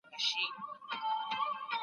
صحي خدمات باید ټولو وګړو ته ورسیږي.